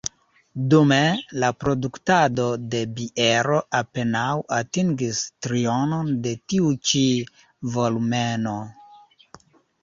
Dume, la produktado de biero apenaŭ atingis trionon de tiu ĉi volumeno.